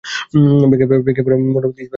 ভেঙ্গে পড়া মনোবল ইস্পাতসম দৃঢ় হয়ে যায়।